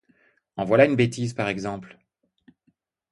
En voilà une bêtise, par exemple!